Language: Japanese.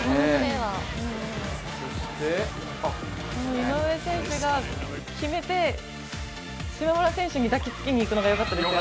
井上選手が決めて、島村選手に抱きつきにいくのがよかったですね。